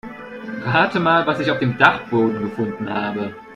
Rate mal, was ich auf dem Dachboden gefunden habe.